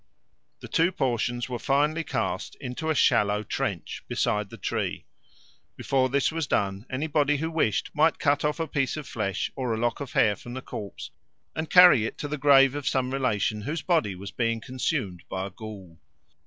The two portions were finally cast into a shallow trench beside the tree. Before this was done, anybody who wished might cut off a piece of flesh or a lock of hair from the corpse and carry it to the grave of some relation whose body was being consumed by a ghoul.